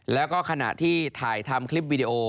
แล้วก็ขณะที่ถ่ายทำคลิปวิดีโอ